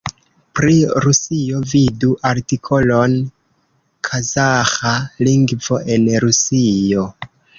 Pri Rusio vidu artikolon Kazaĥa lingvo en Rusio.